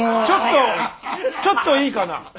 ちょっとちょっといいかな。